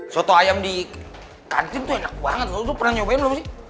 soto ayam di kantin tuh enak banget tuh pernah nyobain belum sih